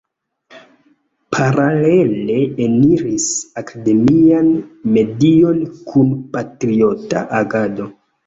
Paralele eniris akademian medion kun patriota agado.